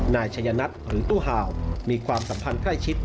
นายชัยนัทหรือตู้ห่าวมีความสัมพันธ์ใกล้ชิด